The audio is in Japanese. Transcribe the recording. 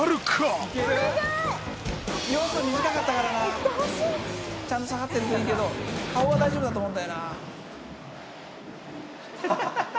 いってほしいちゃんと下がってるといいけど顔は大丈夫だと思うんだよな